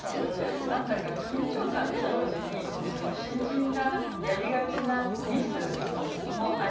何だか緊張感と同時に新人がやりがちなミスもありますよね